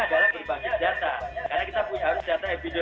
oke indikator terukur tadi kan tidak hanya tadi yang dokter adib sebutkan ya